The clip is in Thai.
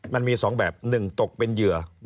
มันมีสองแบบหนึ่งตกเป็นเหยื่อ